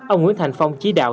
ông nguyễn thành phong chỉ đạo